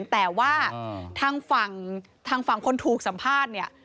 แต่ว่าทางฝั่งคนถูกสัมภาษณ์เนี่ย